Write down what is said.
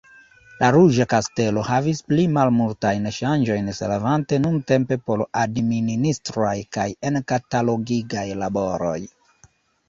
La Ruĝa Kastelo havis pli malmultajn ŝanĝojn servante nuntempe por admininistraj kaj enkatalogigaj laboroj.